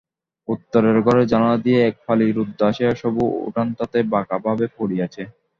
উত্তরের ঘরের জানোলা দিয়া এক ফালি রৌদ্র আসিয়া সবু উঠানটাতে বাঁকাভাবে পড়িয়াছে।